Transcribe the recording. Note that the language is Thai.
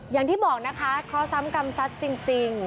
อย่างที่บอกนะคะเพราะซ้ำกรรมสัตว์จริงจริง